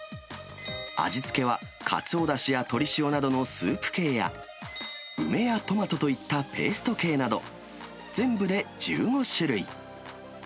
味付けはかつおだしや鶏塩などのスープ系や、梅やトマトといったペースト系など、全部で１５種類。